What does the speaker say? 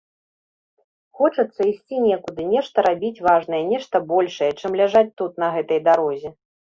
Хочацца ісці некуды, нешта рабіць важнае, нешта большае, чым ляжаць тут, на гэтай дарозе.